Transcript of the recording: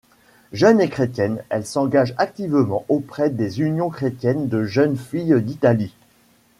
Jeune et chrétienne, elle s'engage activement auprès des Unions Chrétiennes de jeunes filles d'Italie.